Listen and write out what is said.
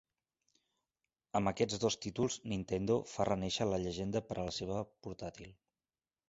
Amb aquests dos títols Nintendo fa renéixer la llegenda per a la seva portàtil.